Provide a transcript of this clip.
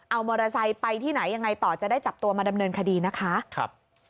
เอามอเตอร์ไซค์ไปที่ไหนยังไงต่อจะได้จับตัวมาดำเนินคดีนะคะครับ